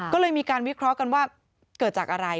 ก็เลยมีการวิเคราะห์กันว่าเกิดจากอะไร